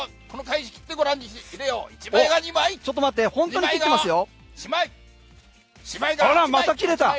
ちょっと待って本当に切ってますよ。